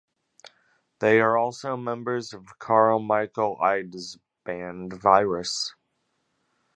They are also members of Carl-Michael Eide's band Virus.